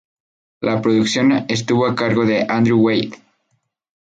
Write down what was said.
La producción estuvo a cargo de Andrew Wade.